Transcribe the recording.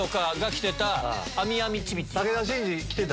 武田真治着てた。